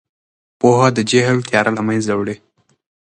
پوهه د جهل تیاره له منځه وړي.